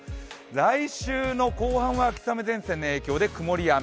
来週の後半は秋雨前線の影響で曇りや雨。